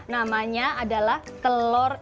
namanya adalah telur